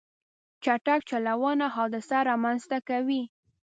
چټک چلوونه حادثه رامنځته کوي.